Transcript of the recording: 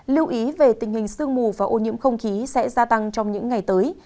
lưu ý về tình hình sương mù và ô nhiễm không khí sẽ gia tăng trong những ngày tới